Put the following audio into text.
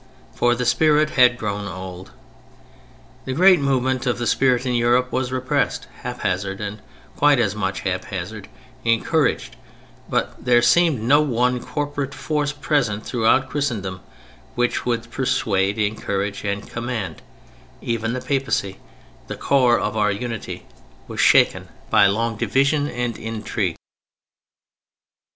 For the spirit had grown old. The great movement of the spirit in Europe was repressed haphazard and, quite as much haphazard, encouraged, but there seemed no one corporate force present throughout Christendom which would persuade, encourage and command: even the Papacy, the core of our unity, was shaken by long division and intrigue.